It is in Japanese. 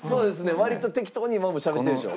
割と適当に今もしゃべってるでしょ？